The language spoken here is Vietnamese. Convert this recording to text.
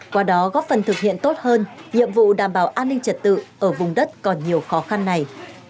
qua đó góp phần thực hiện tốt hơn nhiệm vụ đảm bảo an ninh trật tự ở vùng đất còn nhiều khó khăn này